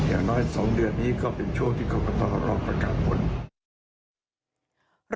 อย่างน้อย๒เดือนนี้ก็เป็นช่วงที่กรกตรอประกาศผล